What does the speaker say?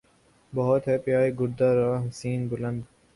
بہت ہے پایۂ گردِ رہِ حسین بلند